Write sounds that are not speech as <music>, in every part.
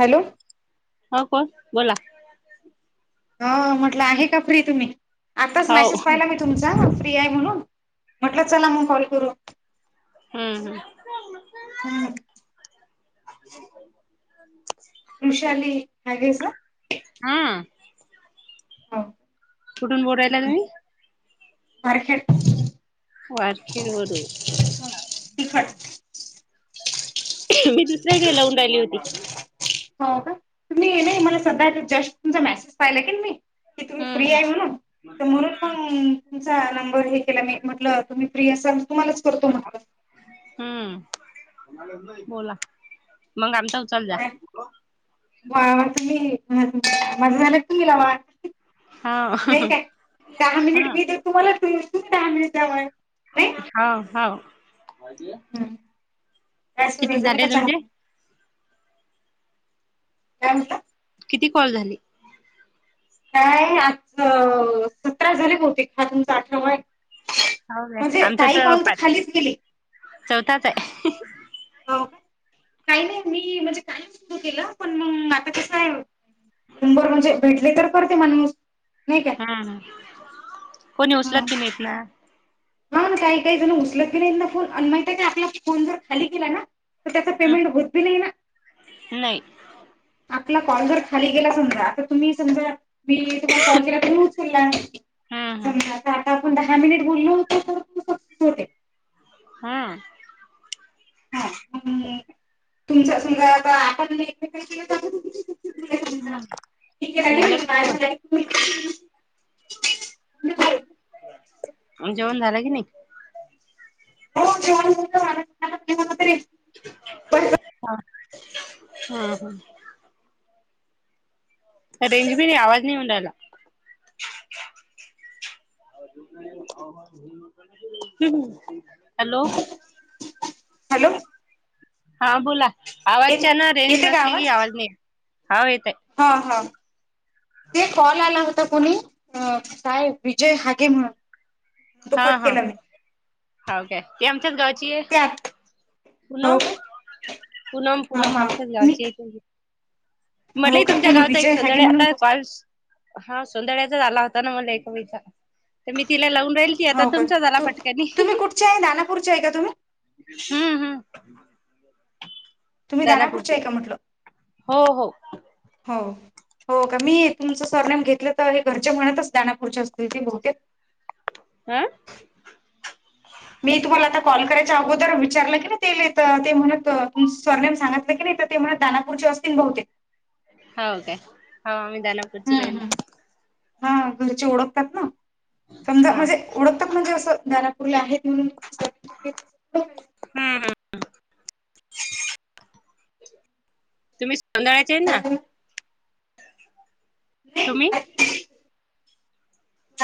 Hello! हा कोण बोला, ह म्हटलं आहे का फ्री तुम्ही, आताच हो मॅसेज पाहिला मी तुमचा फ्री आहे म्हणून. म्हटलं चला मग कॉल करू. हम् हम्म ह <unintelligible> वृषाली हॅगेस ना? हा हो! कुठून बोलायला तुम्ही, मार्केट, वारखेर वरून, तिखट मी दुसऱ्याकडे लावून राहिली होती. हो का! तुम्ही नाही मला सध्या जस्ट तुमचा मेसेज पाहिला क मी की तुम्ही फ्री हम्म आहे म्हणून तर म्हणून पण तुमचा नंबर हे केला मी म्हटलं तुम्ही, फ्री असाल तुम्हालाच करतो म्हटलं, हम्म बोला मग आमचा उचल जा ह माझ झा ला काय हा दहा हा मिनिट मी दे तुम्हाला खूप काम आहे त्यामुळे हा हा होती आहे हम्म काय सुरू आहे झाल का चहा काय म्हटलं किती कॉल झाली काय आज सतरा झाले होते हा तुमचा आठरावा आहे हो काय म्हणजे आमचा काही कॉल तर पाच खालीच गेली चौथाच आहे हो का काही नाही मी म्हणजे काही सुरू केलं पण मग आता कस आहे नंबर म्हणजे भेटले तर करते माणूस नाही काय हा ह कोणी हा उचलत बी नाहीत ना हा ना काही काही जण उचलत गे नाही एक फोन आणि माहि आपला फोन जर खाली केला ना तर त्याचा पेमेंट होत नाही ना नाही आपला कॉल जर खाली गेला समजा आता तुम्ही समजा मी तुम्हाला कॉल केला तरी उचलला हम्म हम्म आता आपण दहा मिनिट बोललो होत तर हम हा तुमच्या सा आता आपण एकमे े झालं का ला जेवण जेवण झालं की नाही हो हा हा रेंजबी नाही आवाज नाही म्हडायला ह हॅलो हॅलो हा बोला येत आवाजच्या ना रेंज येते का नसली की आवाज नाही हा येतय हा हा ते कॉल आला होता कोणी अ काय विजय हागे म्हणून तो हा कट हा केला मी हो का ते आमच्याच गावची आहे त्यात हो पुनम का पूनम हा पुूनम हा आमच्याच मी गावची य हो म्हटलं का तुमच्या कोणी गावचा एक विजय हागे सध्या आता म्हणून कॉल हा सोंदळ्याचा झाला होता ना मला एक विच तर मी तिला लावून राहील की आता हो का तुमचा झाला तू फटकनी तुम्ही कुठचे आहे दानापूरचे आहे का तुम्ही हम्म हम्म तुम्ही खानापूरच्या दानापूरची आहे का म्हटलं हो हो हो हो का मी तुमचं सरनेम घेतले तर हे घरचे म्हणतच दनापूरचे असतील ते बहुते हम मी तुम्हाला आता कॉल करायच्या अगोदर विचारलं की ते ते म्हणत स्वर्नेम सांगत नाही नाही ते दानापूरच्या वस्ती बहुते हो काे हा हम्म विधानपूजितन हम्म. हा घरचे ओळखतात ना समजा हा म्हणजे ओळखतात म्हणजे असं दारापुरला आहेत म्हणून सरनेम. हम्म तुम्ही कंगळाचे ना नाही तुम्ही बा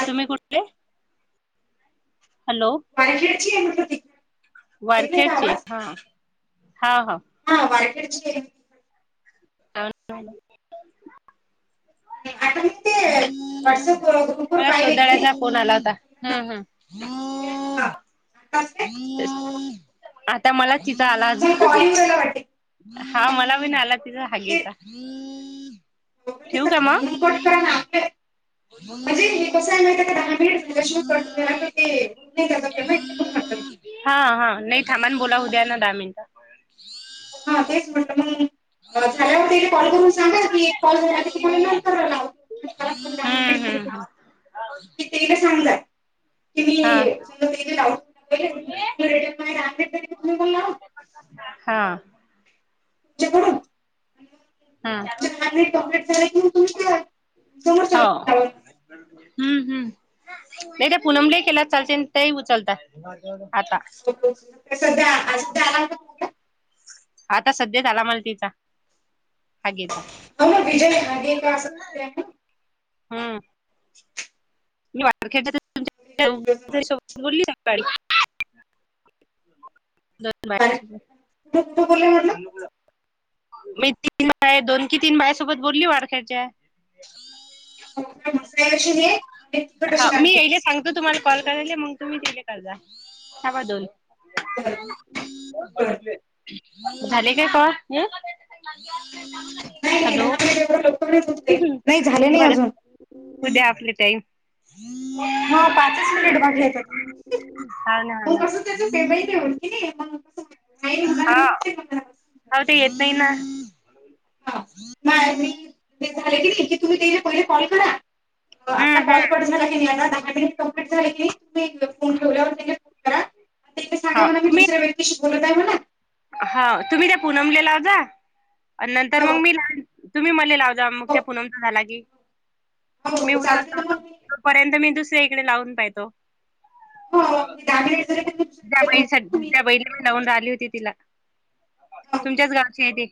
तुम्ही कुठले हॅलो वारखेडची आहे म्हटलं तिकडं येत नाही का वारखेडचे आवाज हा हा हा. हा वरकरीच <unintelligible> ह. मला पाहिले की सोंदळ्याचा फोन आला होता हम ह. हा. काय आता मला तिथं आला अज तुम्हाला कॉल येऊ राहिला वाटते हा मला पण आला तिचा हाग ते यचा ठेऊ का म म्हणज हे कस आहे माहिती का दहा मिनिट रजेशन करला ते त्या पेमेंट म्हणून म्हण. हा हा नाही थामान बोलाव द्या ना दहा मिनटं. हा तेच म्हटलं झाल्यावर त्याने कॉल करून सांगा की एक कॉल झाला की तुम्हाला नंत लाव. दहा मि हम्म झा हम्म करीला सांजा. की हा रेटव हा. हम्म तुमकडूनॉकलेट झा कि तुमच्या समोरच्या हो व्यक्तीला लावेल. हम्म हम्म... नाही ते पुनमलाही केला तर चालते, तेही उचलता हो सध्या <unintelligible> आला होता <unintelligible> आता सध्याच आला मला तिचा हागेचा आ विजय <unintelligible> <unintelligible> हम्म मी <unintelligible> <unintelligible> <unintelligible> <unintelligible> विजय मिश्राचं नाव. <unintelligible> कुठं कुठं बोलले म्हटलं? पण <unintelligible> मी तीन बाया, दोन की तीन बायांसोबत बोलली मसाले अशी हे <unintelligible> आणि तिखट हा, अशी मी आणखी. येले सांगतो तुम्हाला कॉल करायले मग तुम्ही तिले कर जा बरं बरं. <unintelligible> <unintelligible> झाले काय गं.. हु नाही नाही हॅलो... दहा मिनिट एवढं लवकर नाही होत ते. नाही झाले नाही अजून. बरं उद्या आपले टाईम हा पाचच मिनिट बाकी हाय आता.. हा ना ह हा ना मग <unintelligible> पेमेंट <unintelligible> <unintelligible> <inaudible> हाव ते येत नाही ना हा मग, मी हे झाले की नई की तुम्ही ते पहिले कॉल करा आपला हम्म कॉल हम्म कट झाला की नाही आता दहा मिनिट कं्प्लीट झाले की नाही तुम्ही फोन ठेवल्यावर करा ते सांगा हा म्हणा मी तुम्ही दुसऱ्या व्यक्तीशी बोलत आहे म्हणा. हा तुम्ही त्या पूनमले लाव जा नंतर हो मग मी तुम्ही म लाव. मग हो. हो त्या हो हो चालते ना मग मी <unintelligible> <unintelligible> दुसऱ्या इकडे लावून पहायचो हो <unintelligible> हो मी दहा मिनिट झाले की मी तुझ्या दुसरीकडे लावून ना बहिणसाठी <unintelligible> तुम्ही <unintelligible> ते. राहिली होती तिला हो हो तुमच्याच हो गावचं ये ते,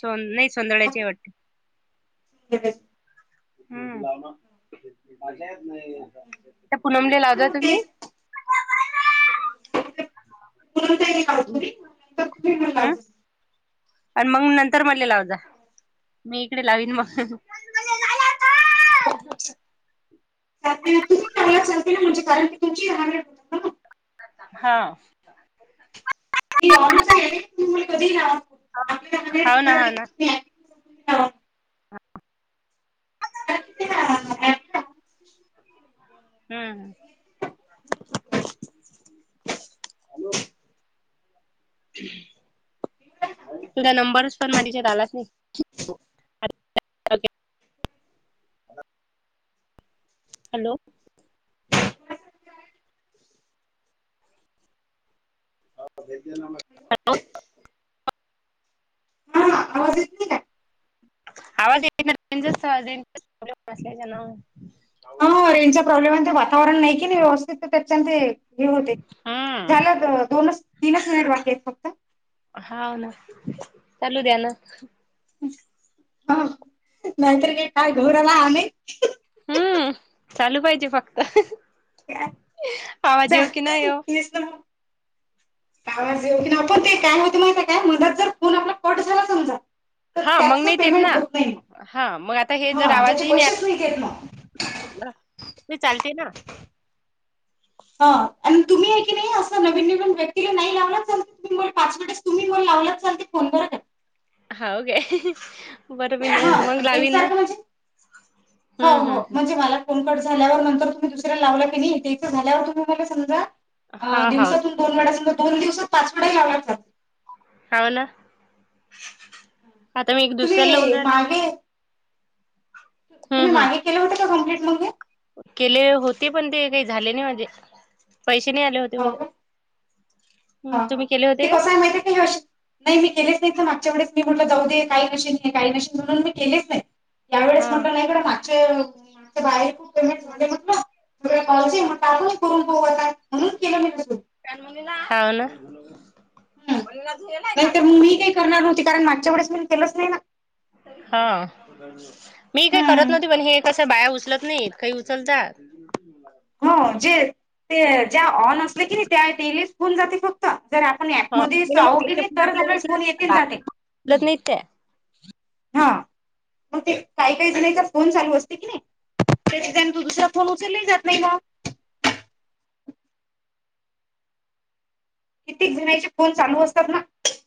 सोन.. नई हो सौंधळ्याची ए वाटतं संध्याकाळी. हो. हम्म... <unintelligible> त्या पुनमले लाव हा जा मग तुम्ही तेच हो हो हो. पूनम ताईला लावतो मी मग नंतर <unintelligible> तुम्ही मला हं लावजा. आणि मग नंतर मले लाव जा, मी इकडे लावीन मग <unintelligible> <unintelligible> ना म्हणजे कारण की तुमची <unintelligible> हा मी ऑनच आहे, तुम्ही मला कधीही लावा हाव ना हाव ना. <unintelligible> <unintelligible> <unintelligible> <inaudible> हम्मॅ राहणार तुझा नंबरच पण माझ्याच्यात आलाच नाही <unintelligible> हॅलो <unintelligible> हॅलो हा आवाज येत नाही का? आवाज येत् <unintelligible> <inaudible> हा रेनचा प्रॉब्लेम आहे, ते वातावरण नाई की नाई व्यवस्थित त्याच्यान ते हे होते. हम्म झालं... दोनच, तीनच मिनिट बाकी आहेत फक्त हा ना चालू द्या ना हा नाहीतर काय काय <unintelligible> हम्म चालू पाहिजे फक्त <unintelligible> <unintelligible> आवाज काय येऊ की नाही येऊ. आवाज येऊ की नाही, पण ते काय होतं माहिती काय मध्येच जर फोन आपला कट झाला समजा तर हा मग त्याचं नाही ते येत ना पेमेंट होत नाही हा मग आता हे जर हा आवाज त्याचे नाहीला पैसेच नाहीत येत मग ह तू चालतेय ना हा आणि तुम्ही हे की नाही? असं नवीन नवीन व्यक्तीला नाही लावलाल पाच वटेस तुम्ही लावलाच चाल ते फोन बर का? जाऊदे. बरं हा म मग लावीन ना एकसारखं म्हणजे हम्म हम् हम्. फोनकट झाल्यावर नंतर तुम्ही दुसऱ्या लावला की नाहीथं झाल्यावर तुमहीला समजा, अ हा हाव दिवसातून दोन वेड्या समजर दोन दिवसात पाच वेळाही लावला जाते. हव ना आता मी एक दुसऱ्या तुम्ही लावून राहिल. मागे तुम्ही मागे हम्म केले होते का कम्प्लीट मे केले होते पण ते काही झाले नाही माझे पैसे नाही आले होते हो मला, का हा हा तुम्ही केले ते होते कसय काय माहिती का नाही मी केले ना मागच्या वेच मीटलं जाऊ दे काही कशी नाही काही कशी म्होलून मी केलेच नाही. यावेळेस हा म्हटलं नाही कड माग माझ बाहेर खूप फेमेस झाले म्हटलं. म्हण आपण करून बह आता म्हणून केलं मी तस हा ना हम् नाहीत मग मी काही करणार नव्हती कारण मागच्या वेळेस मी केलंच नाही ना. हा मी काही करत हम्म नव्हती, पण हे कसं बाया उचलत नाहीत, काही उचलतात हो जे.. ते ज्या ऑन असले की नाई त्या <unintelligible> जाते फक्त जर आपण ऍप हो मी मधेच ना मग अहो की त्याचे नई फोन तरच आपल्याला फोन येतील जातील उचलत नाहीत त्या हा, मग ते काही काही जणीचा फोन चालू असते की नाई त्याच्यान तू दुसरा फोन उचलले जात नाही म किततीक जन्याचे फोन चालू असतात ना